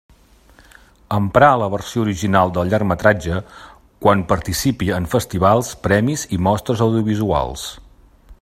Emprar la versió original del llargmetratge quan participi en festivals, premis i mostres audiovisuals.